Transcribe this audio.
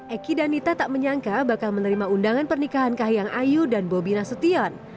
eki dan nita tak menyangka bakal menerima undangan pernikahan kahiyang ayu dan bobi nasution